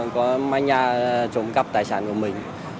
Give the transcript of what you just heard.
có manh nha trộm cắp tài sản của mình